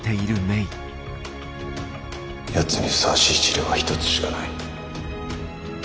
やつにふさわしい治療は一つしかない。